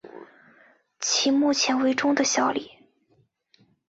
其目前为中的效力。